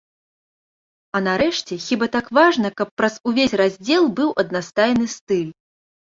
А, нарэшце, хіба так важна, каб праз увесь раздзел быў аднастайны стыль.